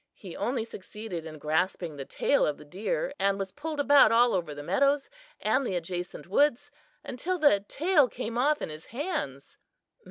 He only succeeded in grasping the tail of the deer, and was pulled about all over the meadows and the adjacent woods until the tail came off in his hands.